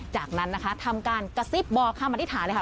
จากนั้นนะคะทำการกระซิบบอกคำอธิษฐานเลยค่ะ